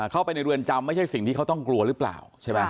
เข้าไปในเรือนจำไม่ใช่สิ่งที่เขาต้องกลัวหรือเปล่าใช่ไหม